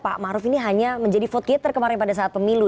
pak maruf ini hanya menjadi vote gator kemarin pada saat pemilu